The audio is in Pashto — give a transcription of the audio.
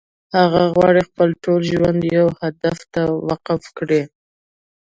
هغه غواړي خپل ټول ژوند يو هدف ته وقف کړي.